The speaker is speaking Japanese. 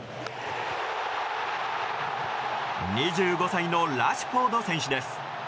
２５歳のラッシュフォード選手です。